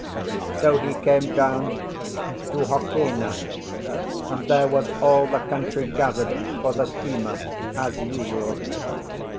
So he came down to Hookena, and there was all the country gathered for the steamer as usual.